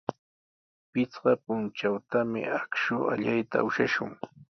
Pichqa puntrawtami akshu allayta ushashun.